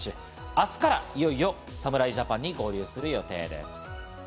明日からいよいよ侍ジャパンに合流する予定です。